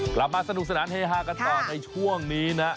กลับมาสนุกสนานเฮฮากันต่อในช่วงนี้นะ